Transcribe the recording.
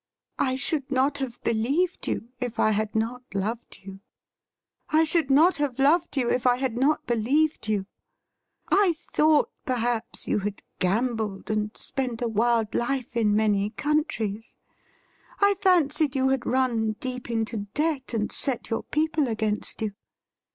I should not have believed you if I had not loved you. I should not have loved you if I had not believed you. I thought, perhaps, you had gambled and spent a wild life in many countries. I fancied you had run deep into debt and set your people against you.